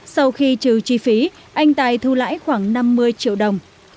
sau khi trừ chi phí anh tài thu lãi khoảng năm mươi triệu đồng